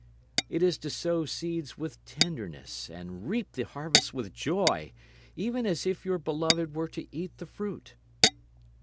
It is to sow seeds with tenderness and reap the harvest with joy, even as if your beloved were to eat the fruit.